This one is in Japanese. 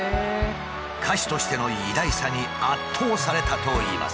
歌手としての偉大さに圧倒されたといいます。